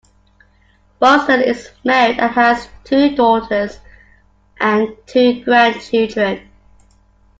Bordsen is married and has two daughters and two grandchildren.